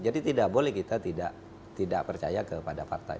jadi tidak boleh kita tidak percaya kepada partai